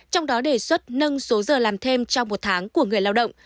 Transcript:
trong đó đề xuất nâng số giờ làm thêm trong một tháng của người lao động